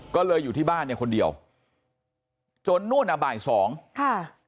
ก็เลยอยู่ที่บ้านเนี่ยคนเดียวจนนู่นอ่ะบ่ายสองค่ะ